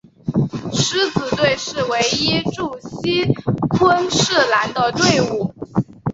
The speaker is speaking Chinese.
狮子队是唯一驻锡昆士兰的队伍。